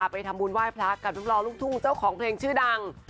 ไปทำบุญไหว้พระกับลูกรอลูกทุ่งเจ้าของเพลงชื่อดัง